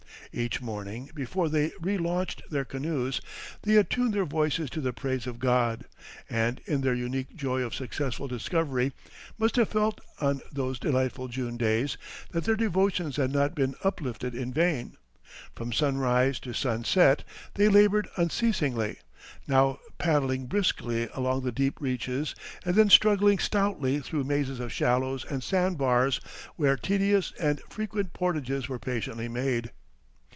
Each morning, before they relaunched their canoes, they attuned their voices to the praise of God, and, in their unique joy of successful discovery, must have felt on those delightful June days that their devotions had not been uplifted in vain. From sunrise to sunset they labored unceasingly, now paddling briskly along the deep reaches, and then struggling stoutly through mazes of shallows and sand bars, where tedious and frequent portages were patiently made.